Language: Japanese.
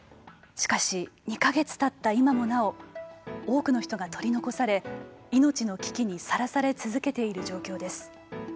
しかし、２か月たった今もなお多くの人が取り残され命の危機にさらされ続けている状況です。